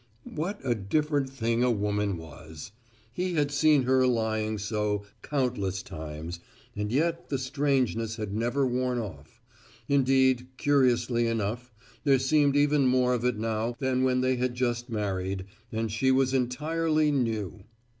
What a different thing a woman was! He had seen her lying so countless times, and yet the strangeness had never worn off. Indeed, curiously enough, there seemed even more of it now than when they had just married, and she was entirely new.